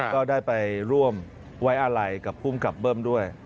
ก็ได้ไปร่วมไว้อะไรกับภูมิกับเบิ้มด้วย